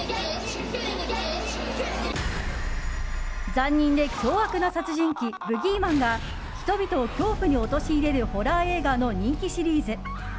残忍で凶悪な殺人鬼ブギーマンが人々を恐怖に陥れるホラー映画の人気シリーズ。